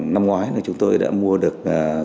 năm ngoái chúng tôi đã mua được